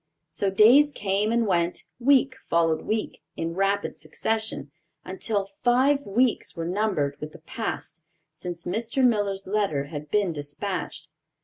So days came and went, week followed week, in rapid succession, until five weeks were numbered with the past since Mr. Miller's letter had been dispatched.